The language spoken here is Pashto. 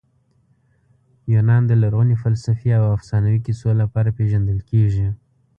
یونان د لرغوني فلسفې او افسانوي کیسو لپاره پېژندل کیږي.